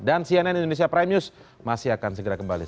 dan cnn indonesia prime news masih akan segera kembali